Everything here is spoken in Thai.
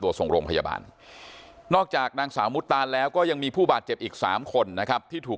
ตัวส่งโรงพยาบาลนอกจากนางสาวมุตานแล้วก็ยังมีผู้บาดเจ็บอีกสามคนนะครับที่ถูก